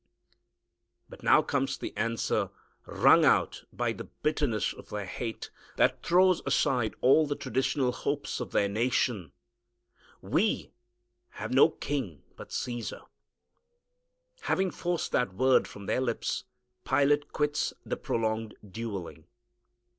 Now comes the answer, wrung out by the bitterness of their hate, that throws aside all the traditional hopes of their nation, "We have no king but Caesar." Having forced that word from their lips, Pilate quits the prolonged duelling.